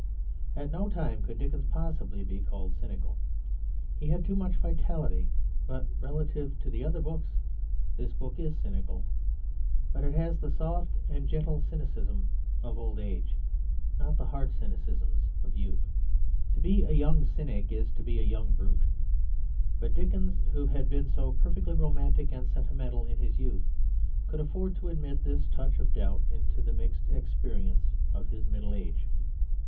At no time could Dickens possibly be called cynical, he had too much vitality; but relatively to the other books this book is cynical; but it has the soft and gentle cynicism of old age, not the hard cynicism of youth. To be a young cynic is to be a young brute; but Dickens, who had been so perfectly romantic and sentimental in his youth, could afford to admit this touch of doubt into the mixed experience of his middle age.